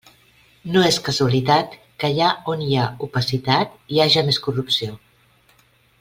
No és casualitat que allà on hi ha opacitat hi haja més corrupció.